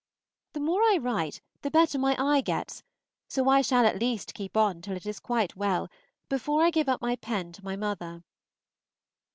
The more I write, the better my eye gets; so I shall at least keep on till it is quite well, before I give up my pen to my mother.